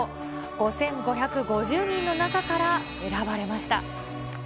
５５５０人の中から選ばれました。